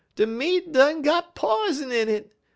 De meat done got pizen on it.